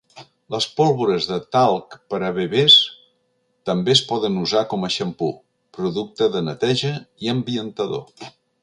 Les pólvores de talc per a bebès també es poden usar com a xampú, producte de neteja i ambientador.